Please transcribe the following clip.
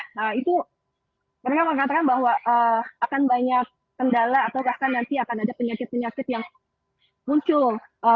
nah itu mereka mengatakan bahwa akan banyak kendala atau bahkan nanti akan ada penyakit penyakit yang muncul